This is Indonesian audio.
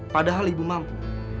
padahal ibu mampu